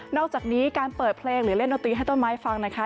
อกจากนี้การเปิดเพลงหรือเล่นดนตรีให้ต้นไม้ฟังนะคะ